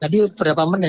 tadi berapa menit